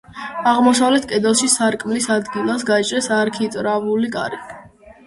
აღმოსავლეთ კედელში სარკმლის ადგილას გაჭრეს არქიტრავული კარი.